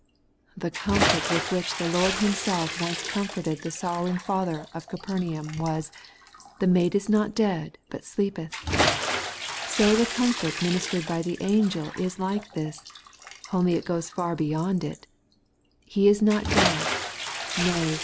* The comfort with which the Lord Himself once com forted the sorrowing father of Capernaum was, ' The maid is not dead, but sleepeth ;' so the comfort mini stered by the angel is like this, only it goes far be yond it : 'He is not dead ; nay.